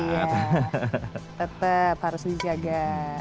iya tetep harus dijaga